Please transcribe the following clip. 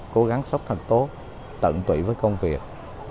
cố gắng sốc thật tốt tận tụy với công việc